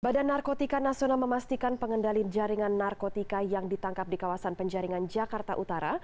badan narkotika nasional memastikan pengendalian jaringan narkotika yang ditangkap di kawasan penjaringan jakarta utara